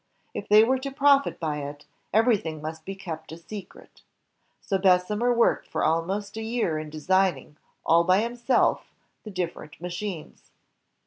If they were to profit by it, everything must be kept a secret. So Bessemer worked for almost a year in design ing all by himself the different machines.